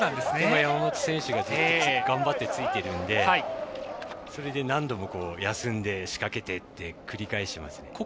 山本選手がずっと頑張ってついているのでそれで何度も休んで、仕掛けてと繰り返してますね。